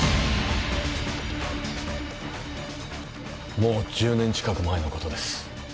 もう１０年近く前のことです